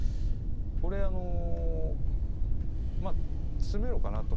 これあのまあ詰めろかなと。